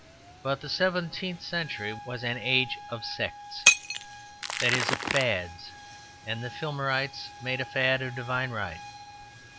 But the seventeenth century was an age of sects, that is of fads; and the Filmerites made a fad of divine right.